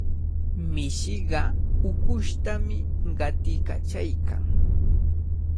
Mishiqa ukushtami qatiykachaykan.